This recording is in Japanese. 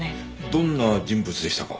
どんな人物でしたか？